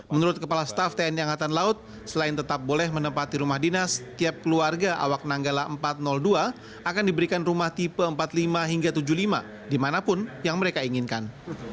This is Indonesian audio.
menurut kepala staff tni angkatan laut selain tetap boleh menempati rumah dinas tiap keluarga awak nanggala empat ratus dua akan diberikan rumah tipe empat puluh lima hingga tujuh puluh lima dimanapun yang mereka inginkan